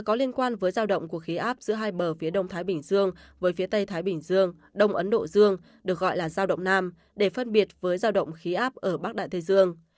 có liên quan với giao động của khí áp giữa hai bờ phía đông thái bình dương với phía tây thái bình dương đông ấn độ dương được gọi là giao động nam để phân biệt với giao động khí áp ở bắc đại tây dương